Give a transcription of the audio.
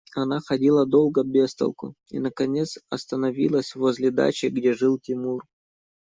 Она ходила долго без толку и наконец остановилась возле дачи, где жил Тимур.